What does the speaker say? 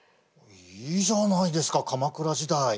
いいじゃないですか鎌倉時代。